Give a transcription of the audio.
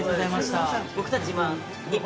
僕たち今。